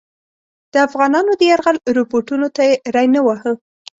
د افغانانو د یرغل رپوټونو ته یې ری نه واهه.